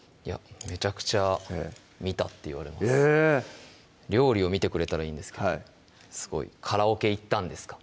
めちゃくちゃ「見た」って言われます料理を見てくれたらいいんですけどカラオケ行ったんですか？